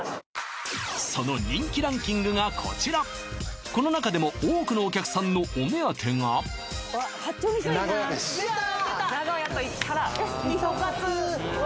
その人気ランキングがこちらこの中でも多くのお客さんのお目当てが名古屋めし・出た名古屋といったら・うわ